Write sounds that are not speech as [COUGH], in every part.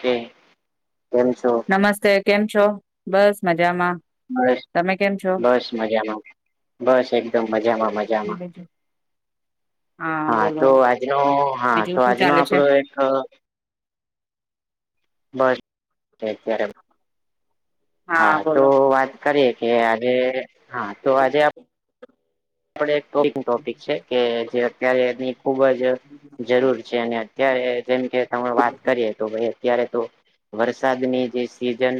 કે કેમ છો નમસ્તે કેમ છો બસ મજામાં [INAUDIBLE] તમે કેમ છો બસ મજામાં બસ એકદમ મજામાં મજામાં બીજું હા તો આજનો હા બીજું તો શું આજનો ચાલે છે આપડો એક બસ એ હા તો વાત કરીએ કે આજે હા તો આજે આપડે એક ટપ ન ટોપિક છે કે જે અત્યારે એની ખુબ જ જરૂર છે અને અત્યારે જેમ કેમે વાત કરીએ તો ભાઈ અત્યારે તો વરસાદની જે સિઝન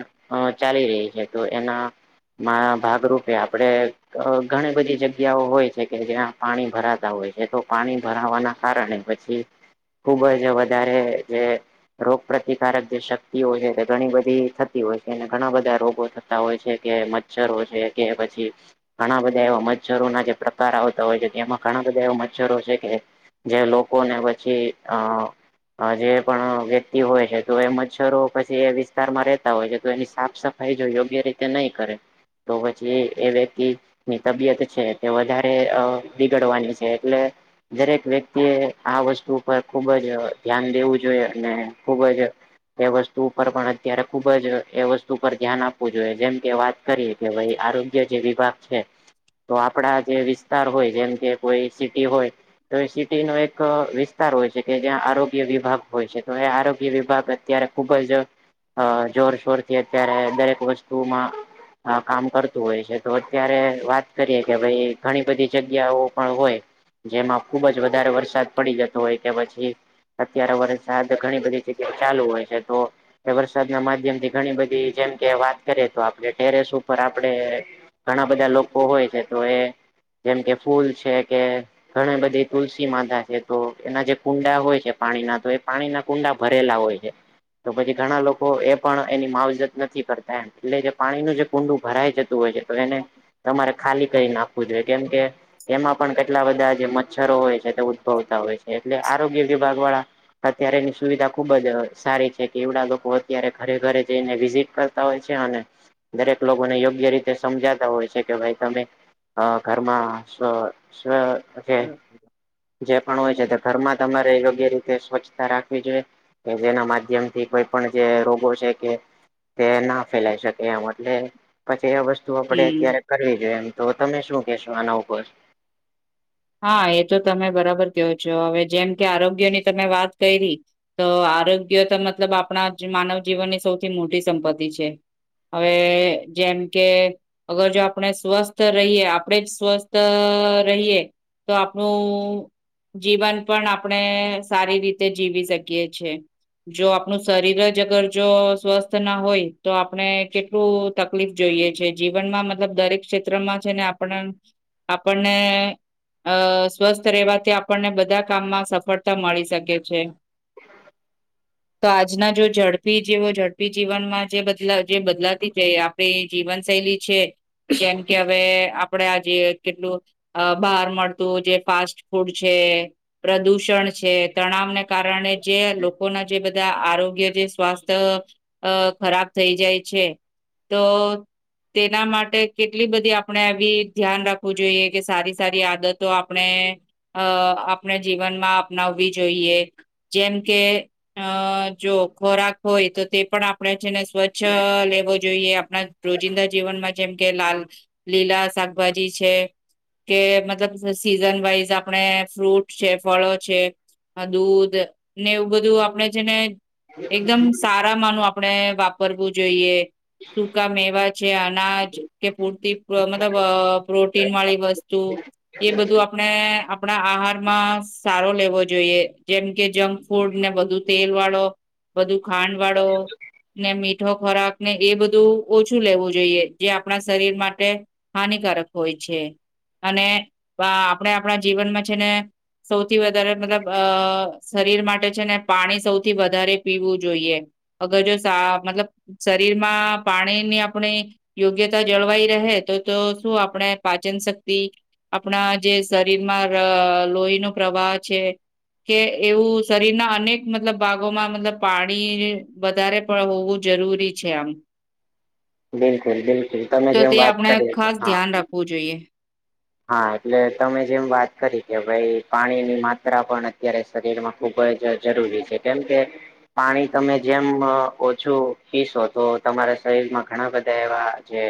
ચાલી રહી છે તો એના ભાગરૂપે આપડે ઘણી બધી જગ્યા જગ્યાઓ હોય છે કે જ્યાં પાણી ભરાતા હોય છે તો પાણી ભરાવાના કારણે પછી ખુબ જ વધારે જે રોગ પ્રતિકારક જે શક્તિઓ છે તે ઘણી બધી થતી હોય છે અને ઘણા બધા રોગો થતા હોય છે કે અક્ષરો છે કે પછી ઘણા બધા એવા મજ મચ્છરોના જે પ્રકાર આવતા હોય છે તે એમાં ઘણા બધા એવા મચ્છરો છે કે જે લોકો ને પછી અ જે પણ વ્યક્તિ હોય છે તો એ મચ્છરો પછી એ વિસ્તારમાં રહેતા હોય છે તો એની સાફ સફ થ જો યોગ્ય રીતે નહી કરે તો પછી એ વ્યક્તિ ની તબિયત છે તે વધારે બીગડવાની છે એટલે દરેક વ્યક્તિએ આ વસ્તુ પર ખુબ જ ધ્યાન દેવું જોઈએ અને ખુબ જ એ વસ્તુ ઉપર પણ અત્યારે ખુબ જ એ વસ્તુ પર ધ્યાન આપવું જોઈએ જેમ કે વાત કરીએ કે ભાઈ આરોગ્ય જે વિભાગ છે તો આપડા જે વિસ્તાર હોય જેમ કે કોઈ સિટી હોય તો એ સિટી નો એક વિસ્તાર હોય છે કે જ્યાં આરોગ્ય વિભાગ હોય છે તો એ આરોગ્ય વિભાગ અત્યારે ખુબ જ અ જોરશોરથી અત્યારે દરેક વસ્તુમાં કામ કરતું હોય છે તો અત્યારે વાત કરીએ કે ભાઈ ઘણી બધી જગ્યાઓ પણ હોય જેમાં ખુબ જ વધારે વરસાદ પડી જતો હોય કે પછી અત્યારે વરસાદ ઘણી બધી જગ્યા ચાલુ હોય છે તો વરસાદના માધ્યમ થી ઘણી બધી જેમ કે વાત કરીએ તો આપણે ટેરેસ ઉપર આપડે ઘણા બધા લોકો હોય છે તો એ જેમ કે ફૂલ છે કે ઘણા બધી તુલસી માધા છે તો એના જે કુંડા હોય છે પાણીના તો એ પાણીના કુંડા ભરેલા હોય છે તો પછી ઘણા લોકો એ પણ એની માવજત નથી કરતા એમ એટલે જે પાણીનું જે કુંડું ભરાય જ હોય છે તો એને તમારે ખાલી કરી નાખવું જોઈએ કેમ કે એમાં પણ કેટલા બધા જે મચ્છરો હોય છે તે ઉદ્ભવતા હોય છે એટલે આરોગ્ય વિભાગ વાળા અત્યારે એની સુવિધા ખુબ જ સારી છે કે એવડા લોકો અત્યારે ઘરે ઘરે જઈને વિઝિટ કર હોય છે અને દરેક લોકોને યોગ્ય રીતે સમજાતા હોય છે કે ભાઈ તમે ઘરમાં જે હોય છે ઘરમાં તમારે યોગ્ય રીતે સ્વચ્છતા રાખવી જોઈએ કે જેના માધ્યમથી કોઈ પણ જે રોગો છે કે તે ના ફેલાય શકે એમ એટલે પછી એ વસ્ુ આપે હમ અત્યારે કરવી જોઈએ એમ તો તમે શું કેશો આના ઉપ હા એ તો તમે બરાબર કવો છો હવે જેમ કે આરોગ્ય ની તમે વાત કરી તો આરોગ્ય તો મતલબ આપણા માનવ જીવનની સૌથી મોટી સંપત્તિ છે હવે જેમ કે અગર જો આપણે સ્વસ્થ રહીયએ આપણેે જ સ્વસ્થ રહીએ તો આપણું જીવન પણ આપણે સારી રીતે જીવી શકીએી જો આપણું શરીર જ અગર જો સ્વસ્થ ના હોય તો આપણે કે ું તકલીફ જોઈએ છે જીવનમાં મતલબ દરેક ક્ષેત્રમાં છે ને આપણ આપણને અ સ્વસ્થ રહેવાથી આપણને બધા કામમાં સફળતા મળી શકે છે [UNINTELLIGIBLE] તો આજના જો ઝડપી જેવો ઝડપી જીવનમાં જે બદલા જે બદલાતી જઈ જીવનશૈલી છે કેમ કે હવે આપડ આજ કેટલું બાર મળતું જે ફાસ્ટ ફૂડ છે પ્રદુષણ છે તણાવને કારણે જે લોકોના જે બધા આરોગ્ય જે સ્વાસ્થ્ય અ ખરાબ થઈ જાય છે તો તેના માટે કેટલી બધી આપણે આવી ધ્યાન રાખવું જોઈએ કે સારી સારી મદતો આપણે અ આપણે જીવનમાં અપનાવવી જોઈએ જેમ કે અ જો ખોરાક હોય તો તે પણ આપણે છેને સ્વચ્છ છ લેવો જોઈએ આપણા રોજિંદા જીવનમાં જેમ કે લાલ લીલા શાકભાજી છે કે મતલબ સીઝન વાઈઝ આપણે ફ્રૂટ છે ફળો છે હ દૂધ ને એવું બધું આપડે છે ને એકદમ સારા માનું આપણે વાપરવું જોઈએ સૂકા મેવા છે અનાજ કે પૂરતી મતલબ પ્રોટીન વાળી વસ્તુ એ બધું આપણે આપણા આહારમાં સારો લેવો જોઈએ જેમ કે જંક ફૂડ ને બધું તેલ વાળો બધું ખાંડ વાળો ને મીઠો ખોરાક ને એ બધું ઓછું લેવું જોઈએ જે આપણા શરીર માટે હાનિકારક હોય છે અને આપણે આપણા જીવનમાં છે ને સૌથી વધારે મતલબ અ શરીર માટે છે ને પાણી સૌથી વધારે પીવું જોઈએ અગર જો સા મતલબ શરીરમાં પાણી ની આપણે યોગ્યતા જળવાઈ રહે તો તો શું આપણે પાચન શક્તિ આપણા જે શરીરમાં લોહી નો પ્રવાહ છે કે એવું શરીરના અનેક મતલબ ભાગોમાં મતલબ પાણી વધારે પણ હોવું જરૂરી છે આમ બિલકુલ બિલકુલ તમે તો જેમ તે વાત આપણે કરી ખાસ હા ધ્યાન રાખવું જોઈએ હા એટલે તમે જેમ વાત કરી કે ભાઈ પાણીની માત્રા પણ અત્યારે શરીરમાં ખૂબ જ જરૂરી છે કેમ કે પાણી તમે જેમ ઓછું પીશો તો તમારા શરીર માં ઘણા બધા એવા જે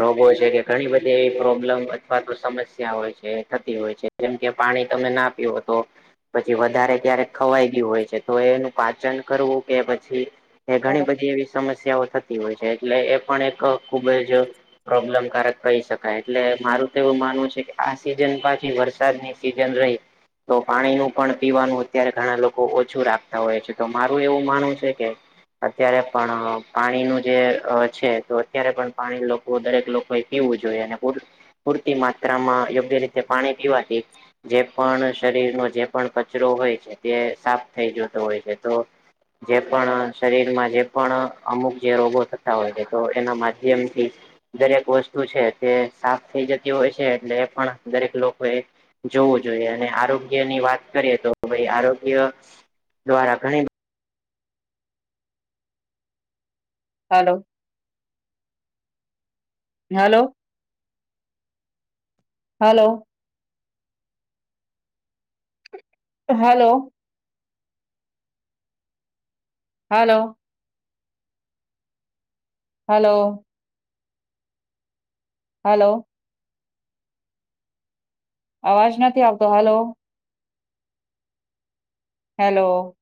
રોગો છે કે ઘણી બધી એ પ્રોબ્લેમ કાંતો સમસ્યા હોય છે થતી હોય છે જેમ કે પાણી તમે ના પીવો તો પછી વધારે ક્યારેક ખવાઈ ગયું હોય છે તો એનું પાચન કરવું કે પછી એ ઘણી બધી એવી સમસ્યાઓ થતી હોય છે એટલે એ પણ એક ખુબ જ પ્રોબ્લેમકારક કહી શકાય એટલે મારું વું માનવું છે કે આ સિઝન પાછી વરસાદની સીઝન રહી તો પાણી નું પણ પીવાનું અત્યારે ઘણા લોકો ઓછું રાખતા હોય છે તો મારું એવું માનવું છે કે અત્યારે પણ પાણી નું જે છે તો અત્યારે પણ પાણી દરેક લોકો પીવું જોઈએ અને પોડ પૂરતી માત્રામાં યોગ્ય રીતે પાણી પીવાથી જે પણ શરીરનો જે પણ કચરો હોય છે તે સાફ થઈ જતો હોય છે તો જે પણ શરીરમાં જે પણ અમુક જે રોગો થતા હોય છે તો એના માધ્યમથી દરેક વસ્તુ છે તે સાફ થઈ જતી હોય છે એટલે એ પણ દરેક લોકો એ જોવું જોઈએ અને આરોગ્ય ની વાત કરીએ તો ભાઈ આરોગ્ય દ્વારા ઘણી hello. Hello. Hello. Hello. Hello. Hello. Hello. અવાજ નથી આવતો હલો. હલો.